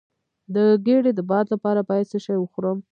د ګیډې د باد لپاره باید څه شی وخورم؟